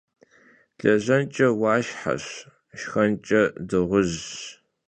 Lejenç'e vuaşşxeş, şşxenç'e dığujş.